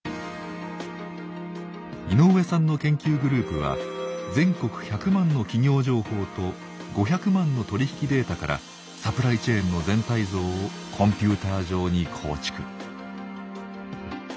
井上さんの研究グループは全国１００万の企業情報と５００万の取り引きデータからサプライチェーンの全体像をコンピューター上に構築。